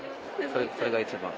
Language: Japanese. それが一番。